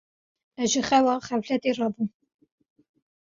Ez ji xewa xefletê rabûm.